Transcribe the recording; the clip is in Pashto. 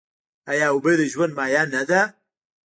آیا اوبه د ژوند مایه نه ده؟